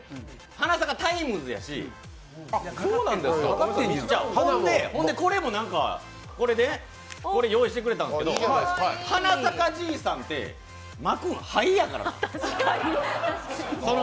「花咲かタイムズ」やし、これもなんか、これ、用意してくれたんですけど、花咲かじいさんでまくの灰やからな。